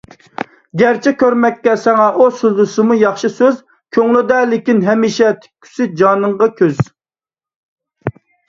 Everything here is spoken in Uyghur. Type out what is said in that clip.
گەرچە كۆرمەككە ساڭا ئۇ سۆزلىسىمۇ ياخشى سۆز، كۆڭلىدە لېكىن ھەمىشە تىككۈسى جانىڭغا كۆز.